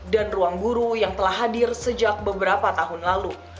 dan ruangguru yang telah hadir sejak beberapa tahun lalu